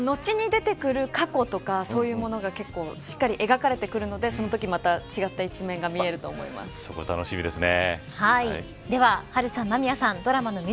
後に出てくる過去とかそういうものがしっかり描かれているのでそのとき、また違った一面がそこ楽しみですね。